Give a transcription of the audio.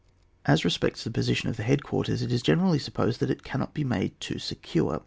As respects the position of the head quarters, it is generally supposed that it cannot be made too secure.